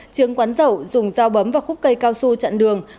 chướng quán dậu dùng dao bấm vào khúc cây cao su chặn đường